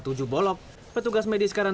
mereka tersebut ada di sulawesi